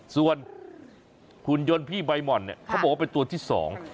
ส่วนหุ่นยนต์พี่ใบหม่อนเนี่ยเขาบอกว่าเป็นตัวที่สอง